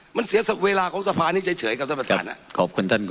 มันเสียเวลาของสภานี้เฉยกับท่านประธานนั้น